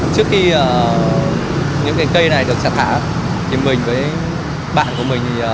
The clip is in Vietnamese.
trước khi những cái cây này được xà thả thì mình với bạn của mình